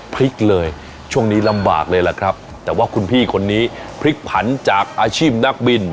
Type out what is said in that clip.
พลิกเลยช่วงนี้ลำบากเลยล่ะครับแต่ว่าคุณพี่คนนี้พลิกผันจากอาชีพนักบิน